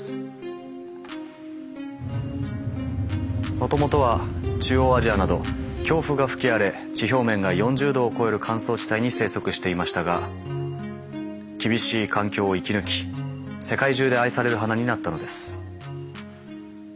もともとは中央アジアなど強風が吹き荒れ地表面が４０度を超える乾燥地帯に生息していましたが厳しい環境を生き抜き世界中で愛される花になったのです。